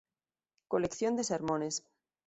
Colección de sermones.